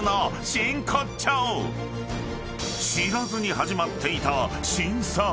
［知らずに始まっていた］